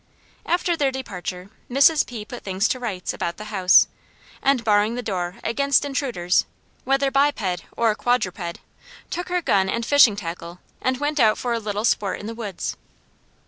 After their departure Mrs. P. put things to rights about the house, and barring the door against intruders, whether biped or quadruped, took her gun and fishing tackle and went out for a little sport in the woods.